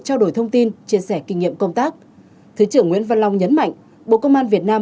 trao đổi thông tin chia sẻ kinh nghiệm công tác thứ trưởng nguyễn văn long nhấn mạnh bộ công an việt nam